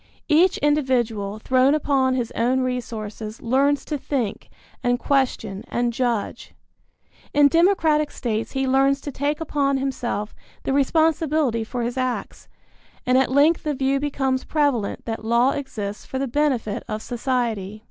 Each individual, thrown upon his own resources, learns to think and question and judge. In democratic states he learns to take upon himself the responsibility for his acts, and at length the view becomes prevalent that law exists for the benefit of society.